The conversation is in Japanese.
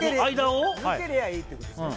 よけりゃいいってことですね